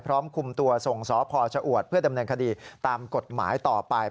คุมตัวส่งสพชะอวดเพื่อดำเนินคดีตามกฎหมายต่อไป